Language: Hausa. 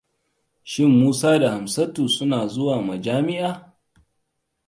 Shin Musa da Hamsatu suna zuwa majami'a?